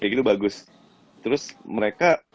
mereka juga bagus terus mereka